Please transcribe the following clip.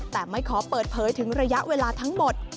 แต่ไม่ขอเปิดเผยถึงระยะเวลาทั้งหมด